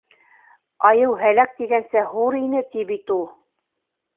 Айыу һәләк тигәнсә һур ине ти бит у...